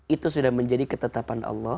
itu sudah menjadi ketetapan allah